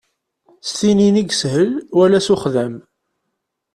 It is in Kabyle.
S tinin i yeshel wala s uxdam.